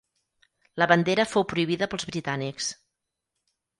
La bandera fou prohibida pels britànics.